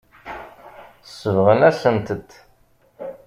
Sebɣen-asent-t.